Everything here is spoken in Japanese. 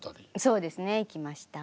そうですね行きました。